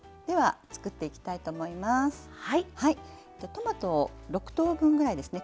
トマト６等分ぐらいですね。